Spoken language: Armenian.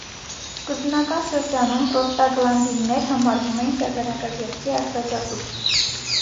Սկզբնական շրջանում պրոստագլանդիններ համարվում էին շագանակագեղձի արտազատուկ։